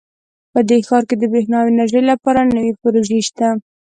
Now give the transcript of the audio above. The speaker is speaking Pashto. په دې ښار کې د بریښنا او انرژۍ لپاره نوي پروژې شته